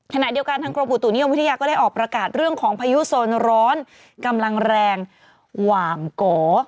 ขณะเดียวกันทางกรมอุตุนิยมวิทยาก็ได้ออกประกาศเรื่องของพายุโซนร้อนกำลังแรงหว่างโก